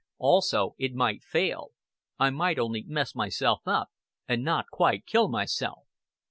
Also it might fail. I might only mess myself up, and not quite kill myself."